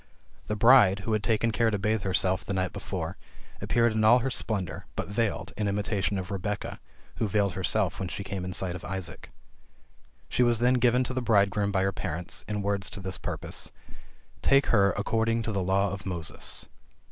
The bride, who had taken care to bathe herself the night before, appeared in all her splendor, but veiled, in imitation of Rebecca, who veiled herself when she came in sight of Isaac. She was then given to the bridegroom by her parents, in words to this purpose: "Take her according to the law of Moses."